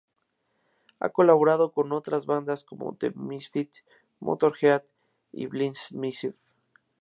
Ha colaborado con otras bandas como The Misfits, Motörhead y Blind Myself.